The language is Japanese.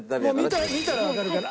見たらわかるから。